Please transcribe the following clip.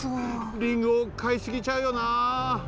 リンゴかいすぎちゃうよな。